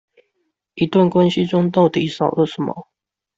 一段關係中到底少了什麼